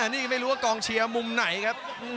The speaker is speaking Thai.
นี่ไม่รู้ว่ากองเชียร์มุมไหนครับ